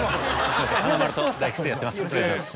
華丸と大吉でやってます。